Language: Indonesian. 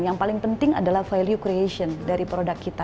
yang paling penting adalah value creation dari produk kita